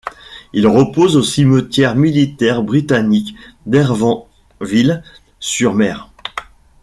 Il repose au cimetière militaire britannique d'Hermanville-sur-Mer.